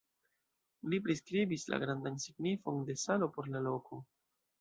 Li priskribis la grandan signifon de salo por la loko.